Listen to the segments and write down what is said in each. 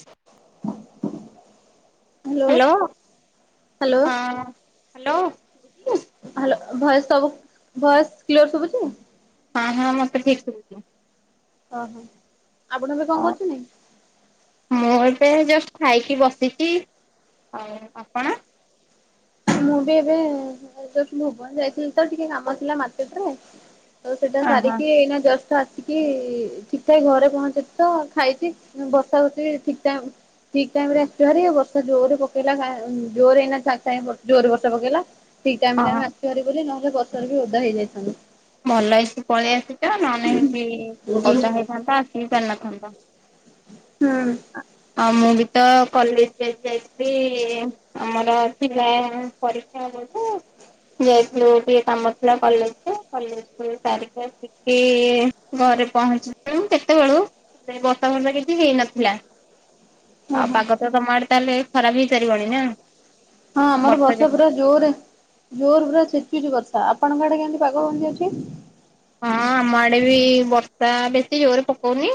[inaudible] Hello. Hello ହଁ hello. Hello voice ସବୁ voice clear ଶୁବୁଛି? ହଁ ହଁ ମତେ ଠିକ୍ ଶୁଭୁଛି। ଓହୋ। ଆପଣ ଏବେ କଣ କରୁଛନ୍ତିଛ? ମୁଁ ଏବେ ଜଷ୍ଟ ଖାଇକି ବସିଛି। ଆଉ ଆପଣ? ମୁଁ ବି ଏବେ ଜଷ୍ଟ ଭୁବନ ଯାଇଥିଲି ତ ଟିକେ କାମ ଥିଲା ମାର୍କେଟରେ। ତ ସେଇଟା ଓହୋ। ସାରିକି ଏଇ ନା ଜଷ୍ଟ ଆ- ସିକି ଠିକ୍ ଠାକ୍ ଘରେ ପହଞ୍ଚିଛି ତ ଖାଇଛି ବର୍ଷା ହଉଛି ଠିକ ଟାଇମ ଠିକ ଟାଇମରେ ଆସିଛୁ ହେରି। ବର୍ଷା ଜୋରେ ପକେଇଲା ଗାଁରେ। ଜୋରେ ଏଇନା ସାଙ୍ଗେସାଙ୍ଗେ ଜୋରେ ବର୍ଷା ପକେଇଲା। ଠିକ ଟାଇମରେ ଓହୋ ଆମେ ଆସିଲୁ ଭାରି ବୋଲି ନହେଲେ ବର୍ଷରେ ବି ଓଦା ହେଇଯାଇଥାନ୍ତୁ। ଭଲ ହେଇଛି ପଳେଇ ଆସିଛ ନହେଲେ ନାହିଁକି ହୁଁ ଓଦା ହେଇଥାନ୍ତ ଆସିବି ପାରିନଥାନ୍ତ। ହୁଁ। ଆଉ ମୁଁ ବି ତ କଲେଜ [unintelligible] ଆମର ପିଲାଏ ମାନେ ପରୀକ୍ଷା ହବତ ଯାଇଥିଲୁ। ଟିକେ କାମ ଥିଲା କଲେଜରେ। କଲେଜକୁ ସରିକି ଆସିକି ଘରେ ପହଞ୍ଚିଲୁ କେତେବେଳୁ। ସେ ବର୍ଷା ଫର୍ସା କିଛି ହେଇନଥିଲା। ଆଉ ଓହୋ। ପାଗ ତ ତମ ଆଡେ ତାହେଲେ ଖରା ବି ହେଇ ସାରିବଣି ନା? ହଁ ଆମର ବର୍ଷା ପୁରା ଜୋରେ ଜୋରେ ପୁରା ଛେଚୁଛି ବର୍ଷା। ତ ଆପଣଙ୍କ ଆଡେ କେମିତି ପାଗ କେମିତି ଅଛି? ହଁ ଆମ ଆଡେ ବି ବର୍ଷା ବେଶୀ ଜୋରେ ପକଉନି।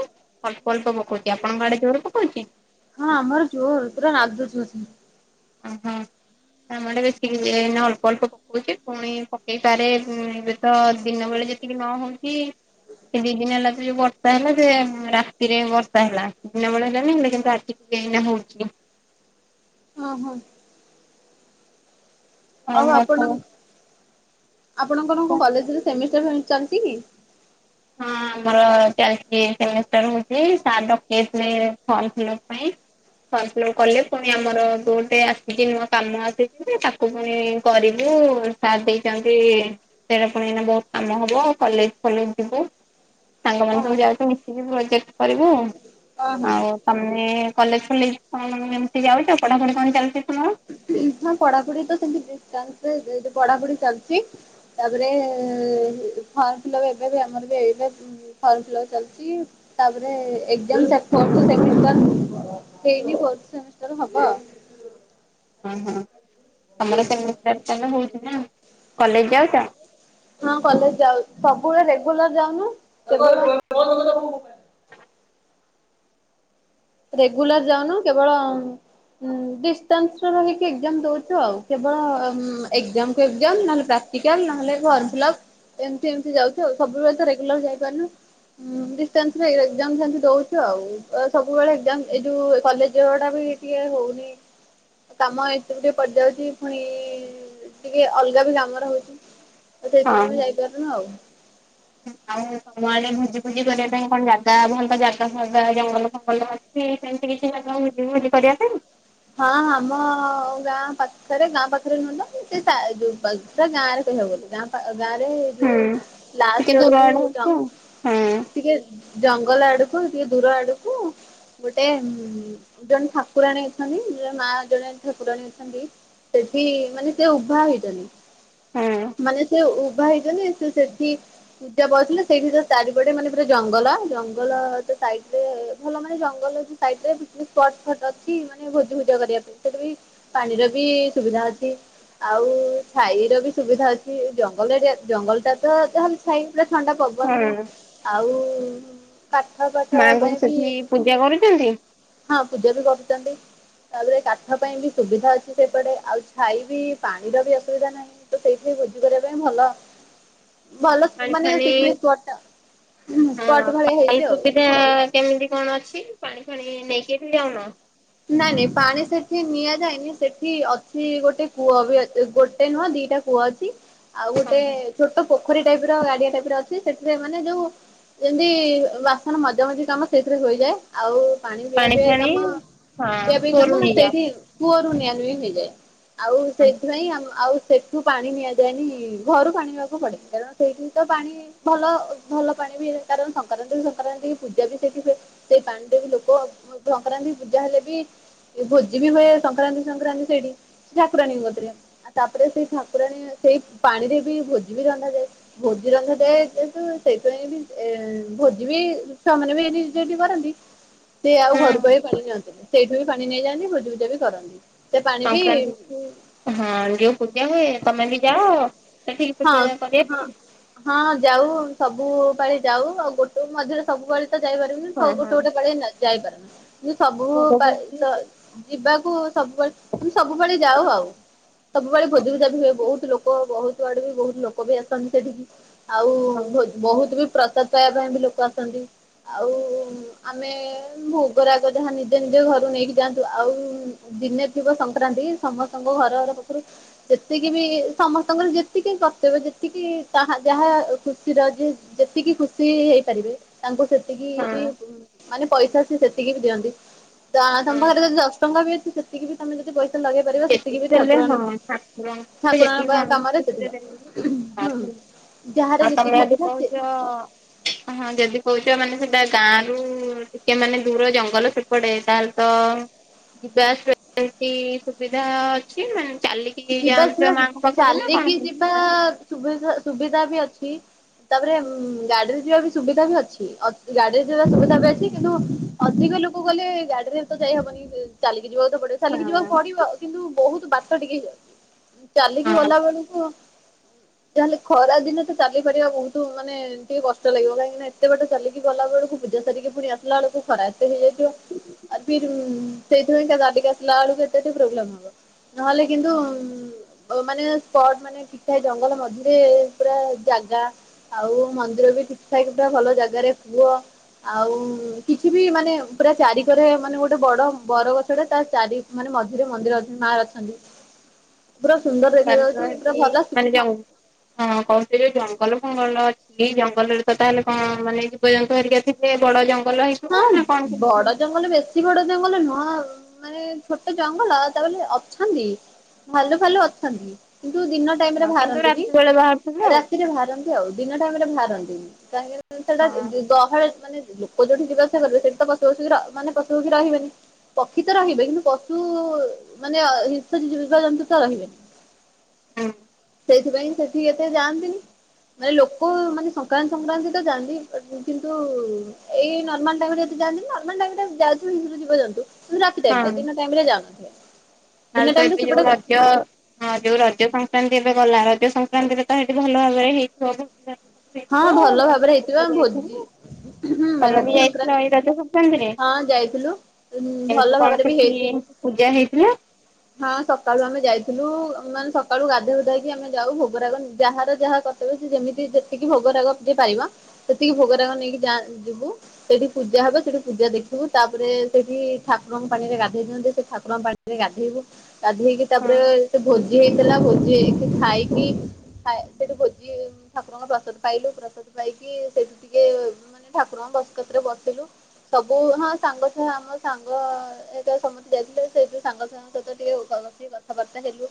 ଅଳ୍ପ ଅଳ୍ପ ପକଉଛି। ଆପଣଙ୍କ ଆଡେ ଜୋରେ ପକଉଛି? ହଁ ଆମ ଆଡେ ଜୋର ପୁରା ନାଦୁଛି କସି। ଓହୋ। ଆମ ଆଡ଼େ ବେଶୀ ନାହିଁ ଅଳପ ଅଳପ ଉଛି ପୁଣି ପକେଇ ପାରେ ଏବେ ତ ଦିନ ବେଳେ ଯେତିକି ନ ହଉଛି। ଏ ଦି ଦିନି ହେଲା ତ ଯୋଉ ବର୍ଷା ହେଲା ସେ ରାତିରେ ବର୍ଷା ହେଲା ଦିନ ବେଳା ହେଲାନି ହେଲେ କିନ୍ତୁ ଆଜି ଏଇନା ହଉଛି। ଓହୋ। ଆଉ ଆପଣ [unintelligible] ଆପଣଙ୍କର କଣ ହଁ କଲେଜରେ ସେମିଷ୍ଟାର ଫେମି ଚାଲିଛି କି? ହଁ ଆମର ଚାଲିଚି ସେମିଷ୍ଟାର ହଉଛି। ସାର୍ ଡ଼କେଇ ଥିଲେ ଫର୍ମ ଫିଲପ ପାଇଁ। ଫର୍ମଫିଲପ କଲେ ପୁଣି ଆମର ଯୋ ଗୋଟେ ଆସିଛି ନୂଆ କାମ ଆସିଛି ତାକୁ ପୁଣି କରିବୁ। ସାର୍ ଦେଇଛନ୍ତି ସେଇଟା ପୁଣି ଏଇନା ବହୁତ କାମ ହବ କଲେଜ ଖୋଲ ବୁ ସାଙ୍ଗମାନେ ସବୁ ହଁ। ଯାଉଛୁ ମିଶିକି ପ୍ରୋଜେକ୍ଟ କରିବୁ। ଅ ହଁ ଆଉ ତମେ କଲେଜ ଫଲେଜ କଣ କେମିତି ଯାଉଛ? ପଢାପଢି କଣ ଚାଲିଛି ତୁମର? ହଁ ପଢାପଢି ତ ସେମତି [unintelligible] ପଢାପଢି ଚାଲିଛି। ତାପରେ ଫର୍ମ ଫିଲପ ଏବେ ବି ଆମର ବି ଏଇବେ ଫର୍ମ ଫିଲପ ଚାଲିଛି। ତାପରେ ଏକ୍ଜ଼ାମ ଚା ଫୋର୍ଥ ସେମିଷ୍ଟାର ହେଇନି ଫୋର୍ଥ ସେମିଷ୍ଟାର ହବ ଆଉ। ହ ହଁ। ତମର ସେମିଷ୍ଟାର ତାହେଲେ ହଉଛି ନା କଲେଜ ଯାଉଛ? ହଁ କଲେଜ ଯାଉ ସବୁବେଳେ ରେଗୁଲାର ଯାଉନୁ [unintelligible] ରେଗୁଲାର ଯାଉନୁ କେବଳ ଡିସଷ୍ଟାନ୍ସ ରହିକି ଏକଜାମ୍ ଦଉଚୁ ଆଉ। କେବଳ ଏକଜାମ୍ କୁ ଏକଜାମ ନହେଲେ ପ୍ରାକ୍ଟିକାଲ ନହେଲେ ଫର୍ମ ଫିଲପ ଏମିତି ଏମିତି ଯାଉଛୁ ଆଉ। ସବୁବେଳେ ତ ରେଗୁଲାର ଯାଇପାରୁନୁ। ଡିସଟାନ୍ସ ରେ ଏକ୍ଜାମ ସେମତି ଦଉଛୁ ଆଉ ଏ ସବୁ ସବୁବେଳେ ଏଗ୍ଜାମ ଏ ଯୋଉ କଲେଜ ଯିବାଟା ବି ଟିକେ ହଉନି। କାମ ଏତେ ଟିକେ ପଡି ଯାଉଚି ପୁଣି ଟିକେ ଅଲଗା ବି କାମ ରହୁଚି ତ ହଁ ସେଥିପାଇଁ ବି ହଁ। ଯାଇପାରୁନୁ ଆଉ। ଆଉ ସମୟରେ ଭୋଜି ଭୋଜି କରିବା ପାଇଁ କଣ ଯା [unintelligible] ତା ଭଲ ଜାଗା ଫାଗା ଜଙ୍ଗଲ ଫଙ୍ଗଲ ଅଛି ସେମିତି କିଛି ଭୋଜି ଫୋଜି କରିବା ପାଇଁ? ହଁ ଆମ ଗାଁ ପାଖେରେ, ଗାଁ ପାଖରେ ନୁହେଁ ତ ସେ ସା ଯୋ ପୁରା ଗାଁ ରେ ବି ହବ ଗାଁ ଗାଁ ରେ ଏ ଯୋଉ ହୁଁ। ଟିକେ ଲାଷ୍ଟ ଦୂର ଆଡକୁ ଆଡେ ଜ ହଉଚି ହଁ ଟିକେ ଜଙ୍ଗଲ ଆଡ଼ୁକୁ ଟିକେ ଦୂର ଆଡୁକୁ ଗୋଟେ ଜଣେ ଠାକୁରାଣୀ ଅଛନ୍ତି ମା ଜଣେ ଠାକୁରାଣୀ ଅଛନ୍ତି ସେଠି ମାନେ ସେ ଉଭା ହେଇଚନ୍ତି। ହଁ ମାନେ ସେ ଉଭା ହେଇଚନ୍ତି। ସେ ସେଠି ପୂଜା ପାଉଥିଲେ ସେଇଠି ତ ଚାରିପଟେ ମାନେ ପୁରା ଜଙ୍ଗଲ ଜଙ୍ଗଲ ତ ସାଇଡରେ ଭଲ ମାନେ ଜଙ୍ଗଲ ଅଛି। ସାଇଡ ରେ ପିକନିକ୍ ସ୍ପଟ୍ ଫଟ ଅଛି ଭୋଜି ଭୁଜା କରିବା ପାଇଁ ସେଠ ବି ପାଣିର ବି ସୁବିଧା ଅଛି। ଆଉ ଛାଇର ବି ସୁବିଧା ଅଛି। ଜଙ୍ଗଲ ଏରା ଜଙ୍ଗଲ ଟା ତ ଯା ଛାଇ ପୁରା ଥଣ୍ଡା ପବନ ବି। ହଁ ଆଉ ପାଠ ପାଠ ମାଙ୍କୁ ପାଇଁ ବି ସେଠି ପୂଜା କରୁଛନ୍ତି ହଁ ପୂଜା ବି କରୁଚନ୍ତି। ତାପରେ କାଠ ପାଇଁ ବି ସୁବିଧା ଅଛି ସେପଟେ ଆଉ ଛାଇ ବିି ପାଣିର ବି ଅସୁବିଧା ନାହିଁ। ତ ସେଇଥିାଇ ଭୋଜି କରିବା ପାଇଁ ଭଲ ଭଲ ପାଣି ମାନେ ଫାଣି ପିକନିକ୍ ସ୍ପଟ୍ ଟା ସ୍ପଟ୍ ଭଳିଆ ହେଇଚି ଆଉ। ସେ କେମିତି କଣ ଅଛି ପାଣି ଫାଣି ନେଇକି ଏଠୁ ଯାଉନ? ନାଇଁ ନାଇଁ ପାଣି ସେଠି ନିଆଯାଇଏନି ସେଠି ଅଛି ଗୋଟେ କୂଅ ବି ଗୋଟେ ନୁହଁ ଦିଟା କୂଅ ଅଛି। [inaudible] ଆଉ ଗୋଟେ ଛୋଟ ପୋଖରୀ ଟାଇପ ର ଗାଡିଆ ଟାଇପ ର ଅଛି ସେଠରେ ମାନେ ଯୋଉ ଯେମିତି ବାସନ ମଜା ମଜି କାମ ସେଇଥିରେ ହୋଇଯାଏ। ଆଉ ପାଣି ପିଇଆ ପିଆ କାମ ହଁ ପ ପାଇଁ କାମ କୂଅରୁ ନେଇଯାଅ ସେଇଠି କୁଅରୁ ନିଆଁ ନୁଇଁ ହେଇଯାଏ। ଆଉ ହଁ ସେଇଥିପାଇଁ ଆମ ଆଉ ସେ କୂଅ ରୁ ପାଣି ନିଆଯାଏନି ଘରୁ ପାଣିିବାକୁ ପଡେ କାରଣ ସେଇଠି ତ ପାଣି ଭଲ ଭଲ ପାଣି ବି କାରଣ ସଂକ୍ରାନ୍ତି ସଂକ୍ରାନ୍ତି ପୂଜା ବି ସେଇଠି ହୁଏ। ସେଇ ପାଣିରେ ବି ଲୋକ ସଂକ୍ରାନ୍ତି ପୂଜା ହେଲେ। ଭୋଜି ବି ହୁଏ ସଂକ୍ରାନ୍ତି ସଂକ୍ରାନ୍ତି ସେଇଠି ସେ ଠାକୁରାଣୀଙ୍କ କତିରେ। ଆଉ ତାପରେ ସେଇ ଠାକୁରାଣୀ ସେଇ ପାଣିରେ ବି ଭୋଜି ବି ରନ୍ଧାଯାଏ। ଭୋଜି ରନ୍ଧାଯାଏ ଯେହେତୁ ସେଇଥିପାଇଁ ବି ଏ ଭୋଜି ବି ଛୁଆମାନେ ବି ଏଠି ଯଠି କରନ୍ତି [inaudible] ସେ ଆଉ ଘରକୁ ପାଣି ନିଅନ୍ତିନି ସେଇଠୁ ବି ପାଣି ନେଇଯାଆନ୍ତି ଭୋଜି ଭୋଜା ବି କରନ୍ତି। ସେ ପାଣି ବି ସଂକ୍ରାନ୍ତି କି ହଁ ଯୋଉ ପୂଜା ହୁଏ ତମେ ବି ଯାଅ? ସେଠିକି ହଁ ପୂଜା କରିବା ହଁ ପାଇଁ ହଁ ଯାଉ ସବୁବେଳେ ଯାଉ ଆଉ ଗୋଟେ ମଧ୍ୟରେ ସବୁପାଳି ତ ଯାଇପାରିବୁନି ହଁ ଗୋଟେ ଗୋଟେ ହଁ ପାଳି ଯାଇପାରୁନି କି ସବୁ ଭୋଗ ପାଳି ଫୋଗ ତ ଯିବାକୁ ସବୁବେଳେ ତମେ ସବୁବେଳେ ଯାଉ ଆଉ ସବୁବେଳେ ଭୋଜିଭୁଜା ବି ହୁଏ। ବହୁତ ଲୋକ ଲୋକ ବହୁତ ଆଡେ ବି ବହୁତ ଲୋକ ବି ଆସନ୍ତି ସେଠିକି ଆଉ ହଁ ଭୋଜ ବହୁତ ବି ପ୍ରସାଦ ପାଇବା ପାଇଁ ବି ଲୋକ ଆସନ୍ତି। ଆଉ ଆମେ ଭୋଗରାଗ ଯାହା ନିଜେ ନିଜେ ଘରୁ ନେଇକି ଯାଆନ୍ତି ଆଉ ଦିନେ ଥିବ ସଂକ୍ରାନ୍ତି ସମସ୍ତଙ୍କ ଘର ଘର ପାଖରୁ ଯେତିକି ବି ସମସ୍ତଙ୍କର ଯେ ସେତିକି କର୍ତ୍ତବ୍ୟ ଯେତିକି ତାହା ଯାହା ଖୁସିର ଯେ ଯେତିକି ଖୁସି ହେଇପାରିବେ ତାଙ୍କୁ ସେତିକି ହଁ ବି ମାନେ ପଇସା ସିଏ ସେତିକି ବି ଦିଅନ୍ତି। ଯାହା ତମ ହଁ ପାଖରେ ଯଦି ଦଶ ଟଙ୍କା ବି ଅଛି ସେତିକି ବି ତମେ ଯଦି ପଇସା ଲଗେଇ ପାରିବ ସେତିକି ଯେତିକି ବି ଦେଲେ ହଁ ଠାକୁରାଣୀ ଠାକୁର ଙ୍କୁ ଠାକୁରାଣୀ ଯେତିକି ବା କାମରେ ମାନିବ ସେତିକି ହୁଁ [unintelligible] ଯାହାର ଆ ତମେ ଯେତିକି ଯଦି ଇଚ୍ଛା ସେ କହୁଛ ହଁ ଯେଦି କହୁଛ ମାନେ ସେଟା ଗାଁରୁ ଟିକେ ମାନେ ଦୂର ଜଙ୍ଗଲ ସେପଟେ ତାହେଲେ ତ ଯିବା ଆସିବା କେମତି ସୁବିଧା ଅଛି ମାନେ ଚାଲିକ୍ କି ଯିବା ଆସିବା ଯାଉଚ ମାଆଙ୍କ ପାଖକୁ ନା ଚାଲିକି କଣ ଯିବା କେମିତି ଯାଅ? ସୁବିଧା ସୁବିଧା ବି ଅଛି ତାପରେ ଗାଡ଼ିରେ ଯିବା ବି ସୁବିଧା ବି ଅଛି। ଅ ଗାଡ଼ିରେ ଯିବାର ସୁବିଧା ଟା ଅଛି କିନ୍ତୁ ଅଧିକ ଲୋକ ଗଲେ ଗାଡ଼ିରେ ତ ଯାଇ ହବନି ଚାଲିକି ଯିବାକୁ ତ ପଡ଼ିବ ଚାଲିକି ଯିବାକୁ ହଁ ପଡ଼ିବ କିନ୍ତୁ ବହୁତ ବାଟ ଟିକେ ହେଇଯାଉଛି। ଚାଲିକି ଗଲା ବେଳକୁ ଯାହା ହେଲେ ଖରା ଦିନ ତ ଚାଲିପାରିବା ବହୁତ ମାନେ ଟିକେ କଷ୍ଟ ଲାଗିବ କାହିଁକିନା ଏତେ ବାଟ ଚାଲିକି ଗଲାବେଳକୁ ପୂଜା ସାରିକି ପୁଣି ଆସିଲା ବେଳକୁ ଖରା ତ ହେଇଯାଇଥିବ। ଆ ସେଇଥିପାଇଁ ତ ଗାଧେଇକି ଆସିଲା ବେଳକୁ ଏତେ ଟ ପ୍ରୋବ୍ଲେମ ହବ ନହେଲେ କିନ୍ତୁ ତାହେଲେ ମାନେ ସ୍ପଟ ମାନେ ଠିକ୍ ଠାକ୍ ଜଙ୍ଗଲ ମଝିରେ ପୁରା ଜାଗା। ଆଉ ମନ୍ଦିର ବି ଠିକ୍ ଠାକ୍ ବା ଭଲ ଜାଗାରେ କୂଅ। ଆଉ କିଛି ବି ମାନେ ପୁରା ଚାରିିକରେ ମାନେ ଗୋଟେ ବଡ଼ ବର ଗଛଟେ ତା ଚାରି ମାନେ ମଝିରେ ମନ୍ଦିର ଅଛନ୍ତି ମା ଅଛନ୍ତି। ପୁରା ସୁନ୍ଦର ସାର ତ ଦେଖାଯାଉଛି ପୁରା ହେଠି ଭଲ ମାନେ ଜଙ୍ଗ୍ ହଁ କହୁଥିଲେ ଜଙ୍ଗଲ ଫଙ୍ଗଲ ଅଛି। ଏଇ ଜଙ୍ଗଲରେ ତ ତାହେଲେ କଣ ମାନେ ଜୀବଜନ୍ତୁ ହେରିକା ଥିବେ ବଡ଼ ଜଙ୍ଗଲ ହେଇ ହଁ ବଡ଼ ଜଙ୍ଗଲ ବେଶୀ ଏତେ ବଡ଼ ଜଙ୍ଗଲ ନୁହଁ ମାନେ ଛୋଟ ଜଙ୍ଗଲ ତା ବୋଲି ଅଛନ୍ତି ଭାଲୁ ଫାଲୁ ଅଛନ୍ତି କିନ୍ତୁ ଦିନ ଟାଇମରେ ହଁ କିନ୍ତୁ ବାହାରନ୍ତିନି ରାତି ବେଳେ ବାହାରୁଥିବେ ଆଉ। ରାତିରେ ବାହାର ନ୍ତି ଆଉ ଦିନ ଟାଇମ୍ ରେ ବାହାରନ୍ତିନି କାହିଁକିନା ସେଟା ହଁ। ଗହଳ ମାନେ ଲୋକ ଯୋଉଠି [unintelligible] ସେଠି ତ ପଶୁ ପଶୁ ର ମାନେ ପଶୁପକ୍ଷୀ ରହେବେନି। ପକ୍ଷୀ ତ ରହିବେ କିନ୍ତୁ ପଶୁ ମାନେ [unintelligible] ଜୀବଜନ୍ତୁ ତ ରହିବେନି। [inaudible] ସେଇଥିପାଇଁ ସେଠିକି ଏତେ ଯାଆନ୍ତିନି। ମାନେ ଲୋକ ମାନେ ସଂକ୍ରାନ୍ତି ସଂକ୍ରାନ୍ତି ତ ଯାଆନ୍ତି କିନ୍ତୁ ଏଇ ନ ମାଲ୍ ଟାଇମ୍ ରେ ଏତେ ଯାନ୍ତିନି ନର୍ମାଲ ଟାଇମ୍ ଯାଉଥିବେ ଜୀବଜନ୍ତୁ କିନ୍ତୁ ରାତିା ଟାଇମ୍ ରେ ହଁ। ଦିନ ଟାଇମ୍ ରେ ଯାଉନଥିବେ। ଦିନ ଟାଇମରେ [unintelligible] ଯୋଉ ସେପଟେ ରଜ ହଁ ଯୋଉ ରଜ ସଂକ୍ରାନ୍ତି ଏବେ ଗଲା ରଜ ସଂକ୍ରାନ୍ତିରେ ତ ହେଠି ଭଲ ଭାବରେ ହେଇଥିବ ବହୁ ହଁ ଭଲ ଭାବରେ ହେଇଥିବା ଭୋଜି ହୁଁ ହୁଁ ତମେ ବି ରଜ ଯାଇଥିଲ ଏଇ ସଂକ୍ରାନ୍ତିରେ ରଜ ସଂକ୍ରାନ୍ତିରେ ହଁ ଯାଇଥିଲୁ କେମିତି ଭଲ କଣ ଭାବରେ ବି ସେଠି ହେଇ ପୂଜା ହେଇଥିଲା। ହଁ ସକାଳୁ ଆମେ ଯାଇଥିଲୁ ମାନେ ସକାଳୁ ଗାଧୋଇ ଗୁଧା ହେଇକି ଆମେ ଯାଉ ଭୋଗରାଗ ଯାହାର ଯାହା କ ତେବେ ସେ ଯେମିତି ଯେତିକି ଭୋଗରାଗ ଯିଏ ପାଇବା ସେତିକି ଭୋଗରାଗ ନେଇକି ଯାଁ ଯିବୁ ସେଇଠି ପୂଜା ହବ ସେଠି ପୂଜା ଦେଖିବୁ ତାପରେ ସେଠି ଠାକୁରଙ୍କ ପାଣିରେ ଗାଧେଇ ଦିଅନ୍ତି ସେ ଠାକୁରଙ୍କ ପାଣି ରେ ଗାଧେଇବୁ ଗାଧେଇକି ହଁ। ତାପରେ ସେ ଭୋଜି ହେଇଥିଲା ଭୋଜି ହେଇକି ଖାଇକି ଖାଏ ସେଠି ଭୋଜି ଠାକୁରଙ୍କ ପ୍ରସାଦ ପାଇଲୁ ପ୍ରସାଦ ପାଇକି ସେଇଠୁ ଟିକେ ମାନେ ଠାକୁରଙ୍କ ବସକତ୍ ରେ ବସିଲୁ। ସବୁ ହଁ ସାଙ୍ଗ ଛୁଆ ଆମ ସାଙ୍ଗ ଏ ତ ସମସ୍ତେ ଯାଇଥିଲେ ସେଇଠୁ ସାଙ୍ଗ ସାଙ୍ଗ [unintelligible] ବସିକି କଥାବାର୍ତ୍ତା ହେଲୁ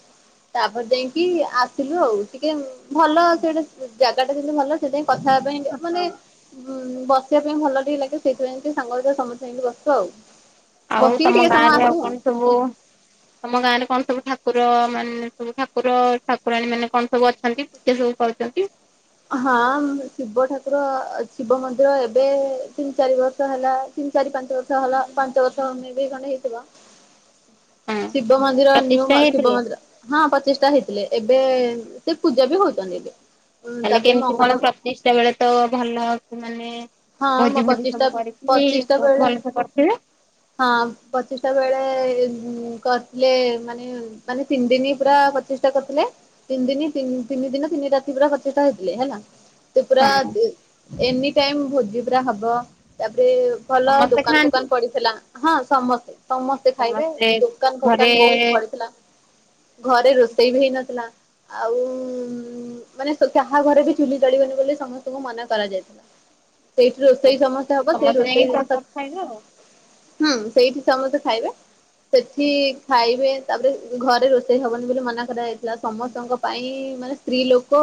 ତାପରେ ଯାଇଁକି ଆସିଲୁ ଆଉ। ଟିକେ ଉଁ ଭଲ ସେଇଟା ଜାଗା ଟା ଯେନ୍ତି ଭଲ ସେଇଥ ପାଇଁ କଥା ହବା ପାଇଁକା ମାନେ ହଁ ଉଁ ବ ସିବା ପାଇଁ ଭଲ ଟିକେ ଲାଗେ ସେଇଥି ପାଇଁକି ସାଙ୍ଗ ହେଇକା ସମସ୍ତେ ହିନ୍ତି ବସଚୁ ଆଉ। ଆଉ ବସିକି ତମ ଟିକେ ଗାଁ ସମୟ ରେ ଆସୁ ଆଉ କଣ ସବୁ ତମ ଗାଁ ରେ କଣ ସବୁ ଠାକୁର ମାନେ ସବୁ ଠାକୁର ଠାକୁରାଣୀ ମାନେ କଣ ସବୁ ଅଛନ୍ତି? ପୂଜା ସବୁ ପାଉଚନ୍ତି? ହଁ ହଁ ଶିବ ଠାକୁର ଅ ଶିବ ମନ୍ଦିର ଏବେ ଏ ଏ ତିନ ଚାରି ବର୍ଷ ହେଲା ତିନ ଚାରି ପାଞ୍ଚ ବର୍ଷ ହେଲା ପାଞ୍ଚ ବର୍ଷ ମେବି ଖଣ୍ଡେ ହେଇଥିବ ହଁ ଶିବ ମନ୍ଦିର ନ୍ୟୁ ପ୍ରତିଷ୍ଠା ମ ଶିବ ହେଇଥିଲେ? ମନ୍ଦିର ହଁ ପଚିଷ୍ଟା ହେଇଥିଲେ ଏବେ ଏ ଏ ମ୍ ସେ ପୂଜା ବି ହଉଚନ୍ତି ଏବେ। ଉଁ ତାହାଲେ ତାପରେ କେମତି କଣ ମଙ୍ଗଳା ପ୍ରତିଷ୍ଠା ବେଳେ ତ ଭଲ କି ମାନେ ହଁ ମୋ ଭୋଜି ଭୋଜି ପଚିଶଟା ସବୁ କରିକି ପଚିଶଟା ବହୁତ ବେଳେ ଭଲସେ କରଥିବେ? ହଁ ପଚିଷ୍ଟା ବେଳେ ଏ ଏ କରିଥିଲେ ମାନେ ମାନେ ତିନ ଦିନି ପୁରା ପଚିଶ ଟା କରଥିଲେ ତିନ ଦିନି ତିନି ଦିନ ତିନି ରାତି ପୁରା ପ୍ରତିଷ୍ଠା ହେଇଥିଲେ ହେଲା। ତୁ ପୁରା ହଁ ଦ ଏନି ଟାଇମ ଭୋଜି ପୁରା ହବ ତାପରେ ଭଲ ସମସ୍ତେ ଦୋକାନ ଖାଆନ୍ତି ଫୋକାନ ପଡ଼ିଥିଲା ହଁ ସମସ୍ତେ। ସମସ୍ତେ ଖାଇବେ ସମସ୍ତେ ଦୋକାନ ଘରେ ଫୋକାନ ବହୁତୁ ପଡ଼ିଥିଲା। ଘରେ ରୋଷେଇ ବି ହେଇନଥିଲା ଆଉ ଉଁ ଉଁ ମ୍ ମାନେ କାହା ଘରେ ବି ଚୁଲି ଜଳିବନି ବୋଲି ସମସ୍ତଙ୍କୁ ମନା କରାଯାଇଥିଲା। ସେଇଠି ରୋଷେଇ ସମସ୍ତେ ହବ ସେଇ ଯାଇକି ରୋଷେଇ ଜିନଷ ପ୍ରସାଦ ଖାଇବେ ଆଉ ହୁଁ ସେଇଠି ସମସ୍ତେ ଖାଇବେ। ସେଠି ଖାଇବେ ତାପରେ ଘରେ ରୋଷେଇ ହବନି ବୋଲି ମନା କରାଯାଇଥିଲା ସମସ୍ତଙ୍କ ପାଇଁ ମାନେ ସ୍ତ୍ରୀ ଲୋକ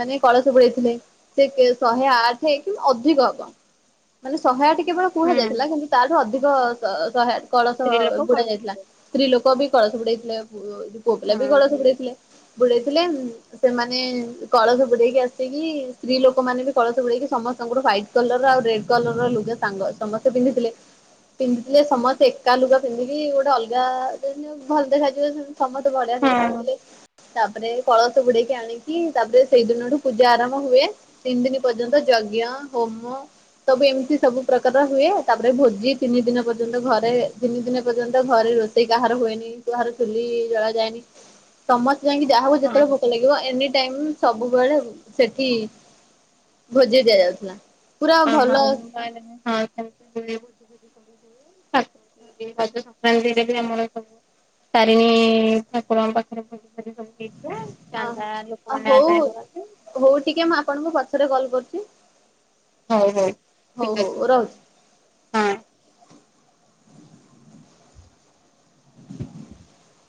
ମାନେ କଳସ ବୁଡ଼େଇଥିଲେ ସେ କେ ଶହେ ଆଠେ କି ଅଧି ଧିକ ହବ ମାନେ ଶହେ ଆଠେ କେବଳ ହୁଁ କୁହାଯାଇଥିଲା କିନ୍ତୁ ତାଠୁ ଅଧିକ ଶ ଶହେ ଆଠେ କଳସ ସ୍ତ୍ରୀ ଲୋକ ବୁଡ଼ା ଯାଇଥିଲା କଳସ ସ୍ତ୍ରୀ ଲୋକ ବି କଳସ ବୁଡେଇଥିଲେ ପୁ ଏ ଯୋଉ ପୁଅ ପିଲା ବି କଳସ ହଁ ବୁଡ଼େଇଥିଲେ। ବୁଡେଇଥିଲେ ଉଁ ସେମାନେ କଳସ ବୁଡ଼େଇକି ଆସିକି ସ୍ତ୍ରୀ ଲୋକ ମାନେ ବି କଳସ ବୁଡ଼େଇକି ସମସ୍ତଙ୍କଠୁ ହ୍ୱାଇଟ୍ କଲରର ଆଉ ରେଡ଼ କଲରର ଲୁଗା ସାଙ୍ଗ ସମସ୍ତେ ପିନ୍ଧିଥିଲେ। ପିନ୍ଧିଥିଲେ ସମସ୍ତେ ଏକା ଲୁଗା ପିନ୍ଧିକି ଗୋଟେ ଅଲଗା ଯେନ୍ତି ହଉ ଭଲ ଦେଖାଯିବ ସେମ୍ ସମସ୍ତେ ବଢ଼ିଆ ଦେଖା ହଁ ଯାଉଥିଲେ। ତାପରେ କଳସ ବୁଡ଼େଇକି ଆଣିକି ତାପରେ ସେଇ ଦିନଠୁ ପୂଜା ଆରମ୍ଭ ହୁଏ। ତିିନ ଦିନି ପର୍ଯ୍ୟନ୍ତ ଯଜ୍ଞ ହୋମ ସବୁ ଏମତି ସବୁ ପ୍ରକାର ର ହୁଏ ତାପରେ ଭୋଜି ତିନି ଦିନ ପର୍ଯ୍ୟନ୍ତ ଘରେ ତିିନି ଦିନ ପର୍ଯ୍ୟନ୍ତ ଘରେ ରୋଷେଇ କାହାର ହୁଏନି କାହାର ଚୁଲି ଜଳା ଯାଏନି। ସମସ୍ତେ ଯାଇଁକି ଯାହା ହଉ ହଁ ଯେତବଳେ ଭୋକ ଲାଗିବ ଏନି ଟାଇମ୍ ସବୁବେଳେ ସେଠି ଭୋଜି ଦିଆଯାଉଥିଲା। ପୁରା ଅ ହଁ ଭଲ ଆମ ଗାଁ ରେ ବି ସେମତି ହୁଏ ଭୋଜି ଫୋଜି ସବୁ ହୁଏ। ସଂକ୍ରାନ୍ତି ରେ ରଜ ସଂକ୍ରାନ୍ତି ରେ ବି ଆମର ସବୁ ତାରିଣୀ ଇ ଇ ଠାକୁରଙ୍କ ପାଖରେ ଭୋଜି ଫୋଜି ସବୁ ହେଇଥିଲା। ହଁ ହଁ ଚାନ୍ଦା ଅ ଲୋକମାନେ ହଉ ଆଦାୟ କରନ୍ତି। ହଉ ଟିକେ ମୁଁ ଆପଣଙ୍କୁ ପଛରେ କଲ୍ କରୁଚି? ହଉ ହଉ ଠିକ ଅଛି। ହଉ ରହୁଛି। ହଁ [inaudible]